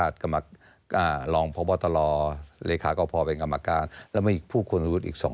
ที่สุดส